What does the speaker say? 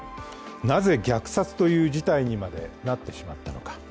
なぜ虐殺という事態にまでなってしまったのか。